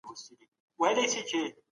دوی پوښتنه وکړه چې ولې جرمونه کیږي.